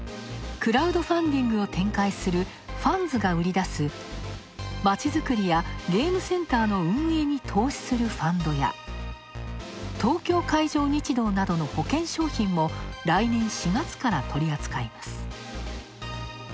クラウドファンディングを展開するファンズが売り出す、街づくりやゲームセンターの運営に投資するファンドや東京海上日動などの保険商品も来年４月から取り扱います。